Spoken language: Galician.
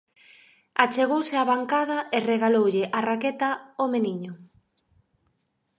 Achegouse á bancada e regaloulle a raqueta ao meniño.